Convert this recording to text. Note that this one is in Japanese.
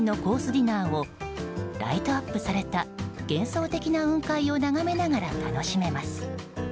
ディナーをライトアップされた幻想的な雲海を眺めながら楽しめます。